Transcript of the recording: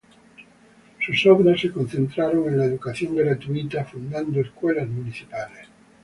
Sus obras se concentraron en la educación gratuita, fundando escuelas municipales.